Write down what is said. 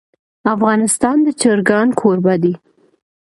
افغانستان د چرګان کوربه دی.